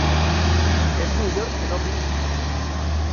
És millor que no vinguis.